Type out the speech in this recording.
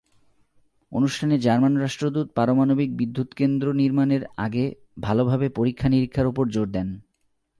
অনুষ্ঠানে জার্মান রাষ্ট্রদূত পারমাণবিক বিদ্যুৎকেন্দ্র নির্মাণের আগে ভালোভাবে পরীক্ষা-নিরীক্ষার ওপর জোর দেন।